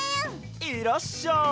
いらっしゃい。